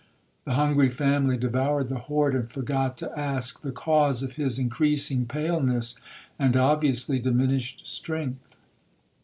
The hungry family devoured the hoard, and forgot to ask the cause of his increasing paleness, and obviously diminished strength.